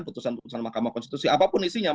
keputusan keputusan mahkamah konstitusi apapun isinya